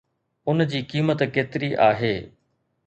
ان جي قيمت ڪيتري آهي؟